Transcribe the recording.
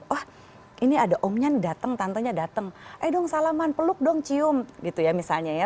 wah ini ada omnya datang tantonya datang eh dong salaman peluk dong cium gitu ya misalnya ya